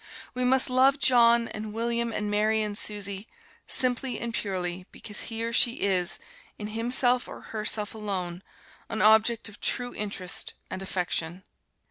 We must love John and William and Mary and Susie, simply and purely because he or she is, in himself or herself alone, an object of true interest and affection.